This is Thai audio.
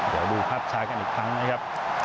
เดี๋ยวดูภาพช้ากันอีกครั้งนะครับ